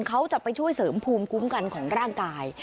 เขาจะไปช่วยเสริมภูมิคุ้มกันของร่างกาย